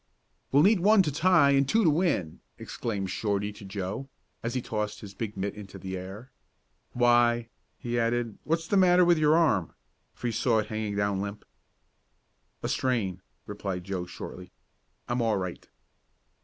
"We need one to tie and two to win," exclaimed Shorty to Joe, as he tossed his big mitt into the air. "Why," he added, "what's the matter with your arm?" for he saw it hanging down limp. "A strain," replied Joe shortly. "I'm all right."